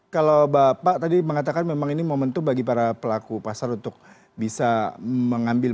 kalau bapak tadi mengatakan memang ini momentum bagi para pelaku pasar untuk bisa mengambil